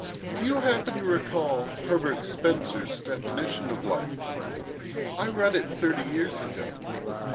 "Do you happen to recall Herbert Spencer's definition of 'Life'? I read it thirty years ago.